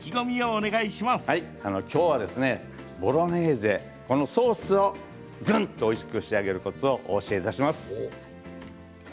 きょうはボロネーゼソースをぐんとおいしく仕上げるコツをお教えいたします。